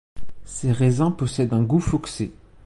Ses raisins possèdent un goût foxé.